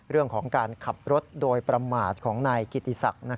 เรื่องของการขับรถโดยประมาทของนายกิติศักดิ์